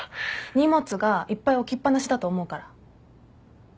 荷物がいっぱい置きっぱなしだと思うから。